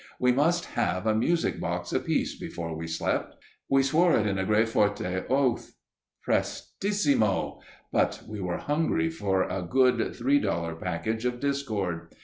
We must have a music box apiece before we slept we swore it in a great forte oath! Prestissimo! but we were hungry for a good three dollar package of discord!